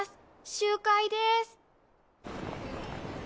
集会です。